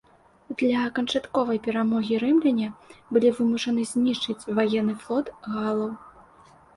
Для канчатковай перамогі рымляне былі вымушаны знішчыць ваенны флот галаў.